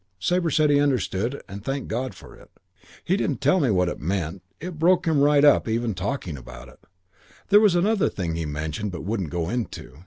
Sabre said he understood and thanked God for it. He didn't tell me what it meant; it broke him right up even talking about it. There was another thing he mentioned but wouldn't go into.